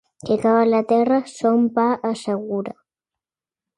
Qui cava la terra son pa assegura.